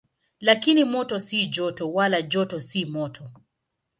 Lakini moto si joto, wala joto si moto.